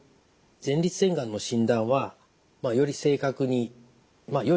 前立腺がんの診断はより正確により早期にですね